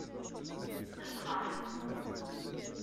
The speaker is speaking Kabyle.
Cḍeḥ!